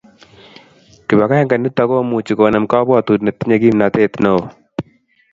kibagenge nitok komuchi konem kabwatut ne tinye kimnatet neo